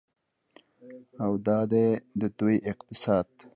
او دا دی د دوی اقتصاد.